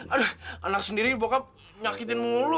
aduh anak sendiri bokap nyakitin mulu